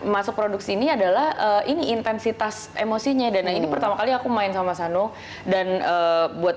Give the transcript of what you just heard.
masuk produksi ini adalah ini intensitas emosinya dan ini pertama kali aku main sama sano dan buat